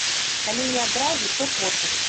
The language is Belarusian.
Калі не адразу, то потым.